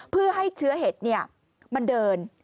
เพื่อให้เชื้อเห็ดมันเดิน